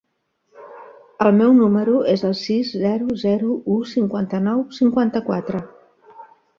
El meu número es el sis, zero, zero, u, cinquanta-nou, cinquanta-quatre.